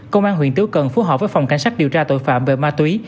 công an huyện tiểu cần phú hợp với phòng cảnh sát điều tra tội phạm về ma túy